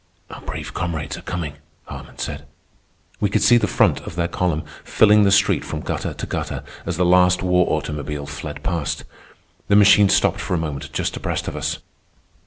"Our brave comrades are coming," Hartman said. We could see the front of their column filling the street from gutter to gutter, as the last war automobile fled past. The machine stopped for a moment just abreast of us.